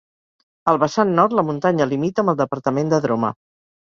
Al vessant nord, la muntanya limita amb el departament de Droma.